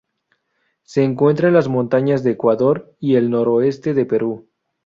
Se encuentra en las montañas de Ecuador y el noroeste de Perú.